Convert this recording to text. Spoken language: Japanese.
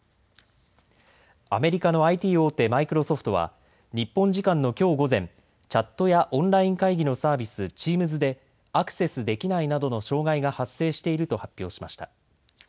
アメリカのＩＴ大手、マイクロソフトは日本時間のきょう午前、チャットやオンライン会議のサービス、チームズでアクセスできないなどの障害が発生していると発表しました。